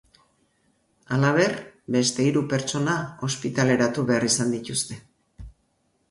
Halaber, beste hiru pertsona ospitaleratu behar izan dituzte.